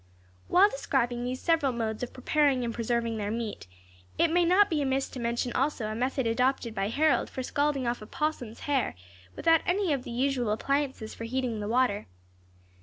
While describing these several modes of preparing and preserving their meat, it may not be amiss to mention also a method adopted by Harold for scalding off an opossum's hair without any of the usual appliances for heating the water.